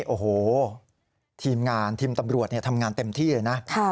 โอ้โหทีมงานทีมตำรวจทำงานเต็มที่เลยนะ